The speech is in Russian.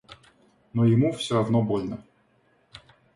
Но ему все равно больно.